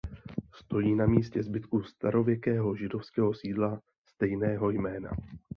Stojí na místě zbytků starověkého židovského sídla stejného jména.